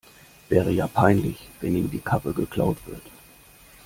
Wäre ja peinlich, wenn ihm die Karre geklaut wird.